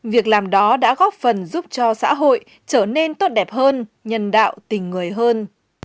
việc làm đó đã góp phần giúp cho xã hội trở nên tốt đẹp hơn nhân đạo tình người hơn